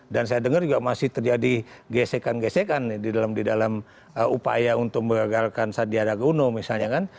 dan saya dengar juga masih terjadi gesekan gesekan di dalam upaya untuk mengagalkan sandiaga uno misalnya kan